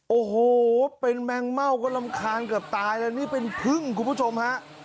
โอ้โหเป็นแมงเม่าก็รำคาญเกือบตายแล้วนี่เป็นพึ่งคุณผู้ชมฮะ